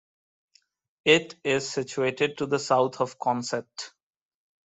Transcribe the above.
It is situated to the south of Consett.